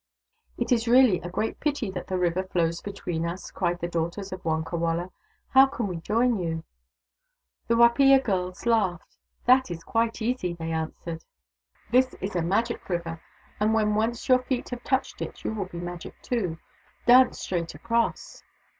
"It is really a great pity that the river flows between us," cried the daughters of Wonkawala. " How can we join you ?" The Wapiya girls laughed. " That is quite easy," they answered. " This is 172 THE DAUGHTERS OF WONKAWALA a magic river, and when once your feet have touched it you will be Magic too. Dance straight across